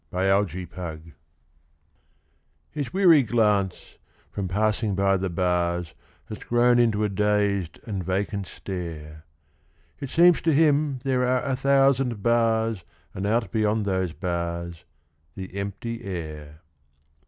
THE PANTHER His weary glance, from passing by the bars, Has grown into a dazed and vacant stare; It seems to him there are a thousand bars And out beyond those bars the empty air.